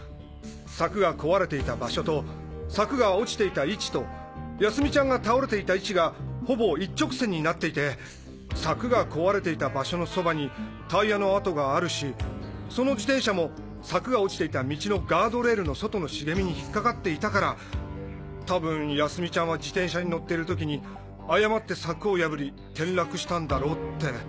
柵が壊れていた場所と柵が落ちていた位置と泰美ちゃんが倒れていた位置がほぼ一直線になっていて柵が壊れていた場所のそばにタイヤの跡があるしその自転車も柵が落ちていた道のガードレールの外の茂みに引っかかっていたからたぶん泰美ちゃんは自転車に乗ってる時に誤って柵を破り転落したんだろうって。